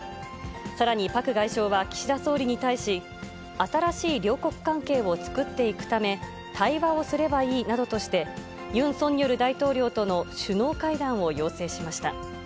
さらにパク外相は、岸田総理に対し、新しい両国関係を作っていくため、対話をすればいいなどとして、ユン・ソンニョル大統領との首脳会談を要請しました。